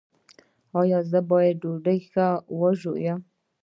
ایا زه باید ډوډۍ ښه وژووم؟